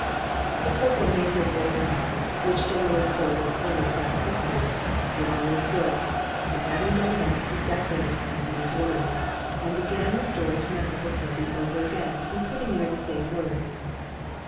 The corporal made his old bow, which generally spoke as plain as a bow could speak it—Your honour is good:—And having done that, he sat down, as he was ordered,—and begun the story to my uncle Toby over again in pretty near the same words.